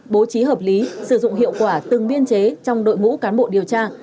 bố trí hợp lý sử dụng hiệu quả từng biên chế trong đội ngũ cán bộ điều tra